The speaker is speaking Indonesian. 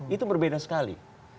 itu berbeda sekali